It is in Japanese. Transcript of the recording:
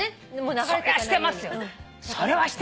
それはしてますよ。